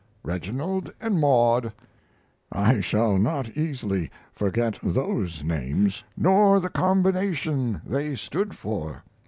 Reginald and Maud I shall not easily forget those names, nor the combination they stood for.